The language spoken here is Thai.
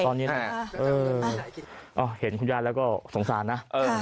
ตอนนี้นะเห็นคุณยายแล้วก็สงสารนะ